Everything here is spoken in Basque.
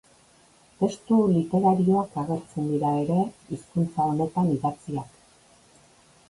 Testu literarioak agertzen dira ere hizkuntza honetan idatziak.